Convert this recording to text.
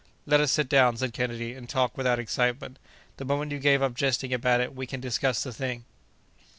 "Let us sit down," said Kennedy, "and talk without excitement. The moment you give up jesting about it, we can discuss the thing."